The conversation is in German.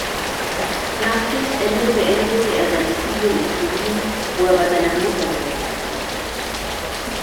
Nach Kriegsende beendete er sein Studium in Turin, wo er bei seiner Mutter wohnte.